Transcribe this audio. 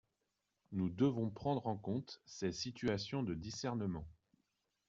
Nous devons prendre en compte ces situations de discernement.